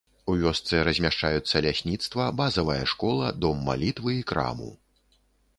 У вёсцы размяшчаюцца лясніцтва, базавая школа, дом малітвы і краму.